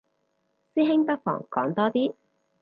師兄不妨講多啲